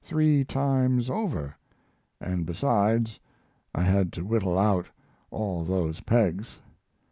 three times over, and besides I had to whittle out all those pegs.